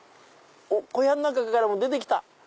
小屋の中からも出て来た！